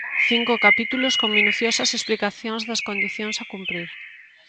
Cinco capítulos con minuciosas explicacións das condicións a cumprir.